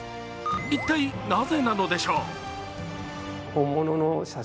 一体なぜなのでしょう。